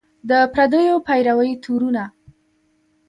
د پردیو پیروۍ تورونه